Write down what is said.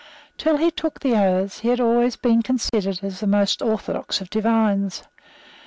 Till he took the oaths, he had always been considered as the most orthodox of divines.